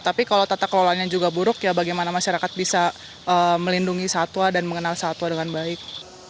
tapi kalau tata kelolanya juga buruk ya bagaimana masyarakat bisa melindungi satwa dan mengenal satwa dengan baik